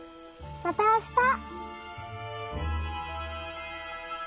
またあした。